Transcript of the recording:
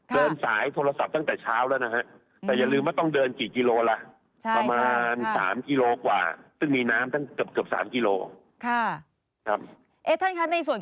เพราะว่าตอนนี้นี่